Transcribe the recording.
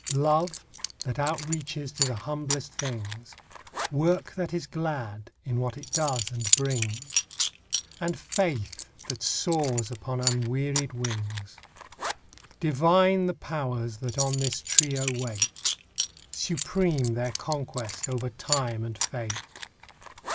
Love, that outreaches to the humblest things; Work that is glad, in what it does and brings; And faith that soars upon unwearied wings. Divine the Powers that on this trio wait. Supreme their conquest, over Time and Fate.